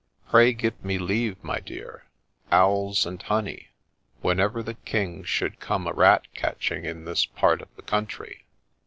' Pray give me leave, my dear — owls and honey, whenever the king should come a rat catching into this part of the country.'